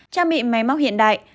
trang bị máy móc hiện đại